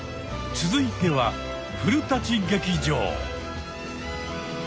続いては古劇場。